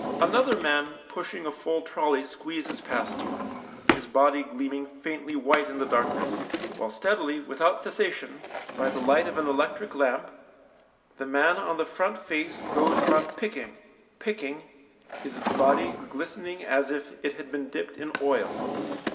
Another man pushing a full trolley squeezes past you, his body gleam ing faintly white in the darkness, while steadily, without cessation, by the light of an electric lamp, the man on the front face goes on picking, picking, his body glistening as if it had been dipped in oil.